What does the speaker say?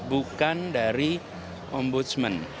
bukan dari ombudsman